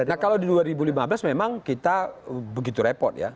nah kalau di dua ribu lima belas memang kita begitu repot ya